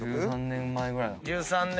１３年前ぐらい。